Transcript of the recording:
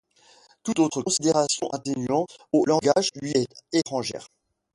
Tout autre considération attenant au langage lui est étrangère.